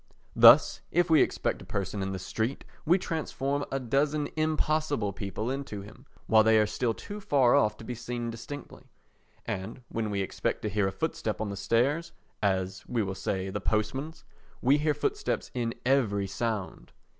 Thus, if we expect a person in the street we transform a dozen impossible people into him while they are still too far off to be seen distinctly; and when we expect to hear a footstep on the stairs—as, we will say, the postman's—we hear footsteps in every sound.